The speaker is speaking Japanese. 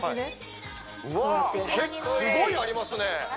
すごいありますね